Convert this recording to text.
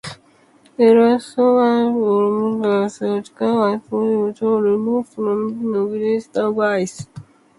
Erratics are formed by glacial ice erosion resulting from the movement of ice.